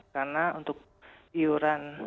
karena untuk iuran